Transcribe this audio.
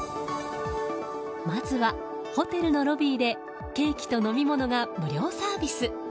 まずはホテルのロビーでケーキと飲み物が無料サービス。